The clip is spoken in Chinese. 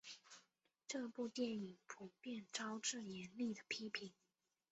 这部电影普遍招致严厉的批评。